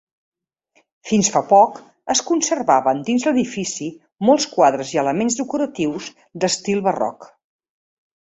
Fins fa poc es conservaven dins l'edifici molts quadres i elements decoratius d'estil barroc.